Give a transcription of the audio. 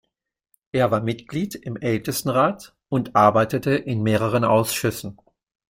Er war Mitglied im Ältestenrat und arbeitete in mehreren Ausschüssen.